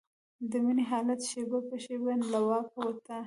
د مينې حالت شېبه په شېبه له واکه وته.